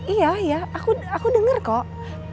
iya ya aku denger kok